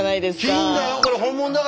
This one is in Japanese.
金だよ！